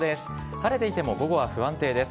晴れていても午後は不安定です。